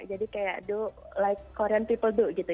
jadi kayak do like korean people do gitu